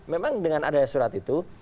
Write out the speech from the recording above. memang dengan adanya surat itu